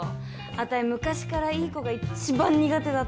あたい昔からいい子が一番苦手だったんで。